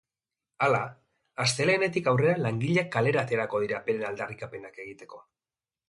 Hala, astelehenetik aurrera langileak kalera aterako dira beren aldarrikapenak egiteko.